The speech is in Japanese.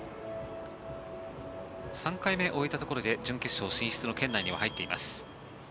３回目終えたところで準決勝進出の圏内には入っています。